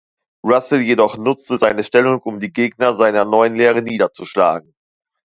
Russell jedoch nutzte seine Stellung, um die Gegner seiner neuen Lehre niederzuschlagen.